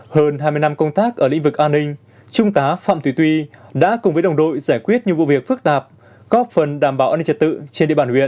hơn hai mươi năm công tác ở lĩnh vực an ninh trung tá phạm thùy tuy đã cùng với đồng đội giải quyết nhiều vụ việc phức tạp góp phần đảm bảo an ninh trật tự trên địa bàn huyện